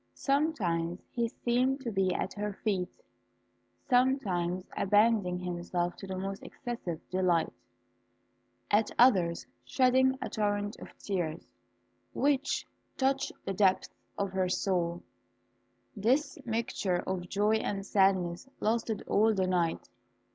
Sometimes he seemed to be at her feet, sometimes abandoning himself to the most excessive delight, at others shedding a torrent of tears, which touched the depths of her soul. This mixture of joy and sadness lasted all the night.